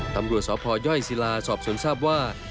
ตำรวจสพยศิลาสอบสวนทราบว่า